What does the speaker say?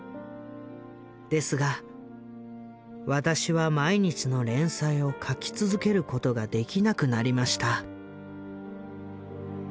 ですが私は毎日の連載を描き続けることができなくなりました」。